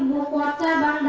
ibu kota provinsi maluku anggot